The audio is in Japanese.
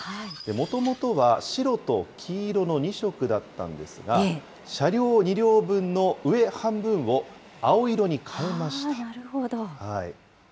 もともとは白と黄色の２色だったんですが、車両２両分の上半分を青色に変えました。